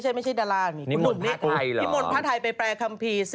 นี่หมดพระไทยหรอ